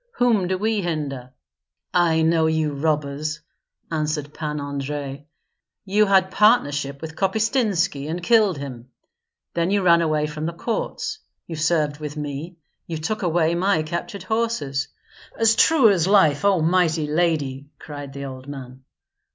Whom do we hinder?" "I know you robbers!" answered Pan Andrei. "You had partnership with Kopystynski, and killed him; then you ran away from the courts, you served with me, you took away my captured horses. "As true as life! O Mighty Lady!" cried the old man.